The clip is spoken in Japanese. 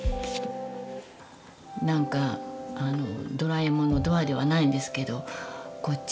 何かドラえもんのドアではないんですけどこっち